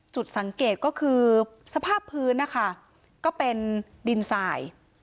จุดสังเกตก็คือสภาพพื้นนะคะก็เป็นดินสาย